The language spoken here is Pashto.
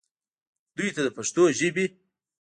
دوي ته د پښتو ژبې